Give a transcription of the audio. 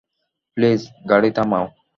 Please, গাড়ি থামাও!